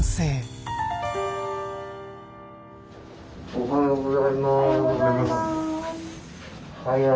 おはようございます。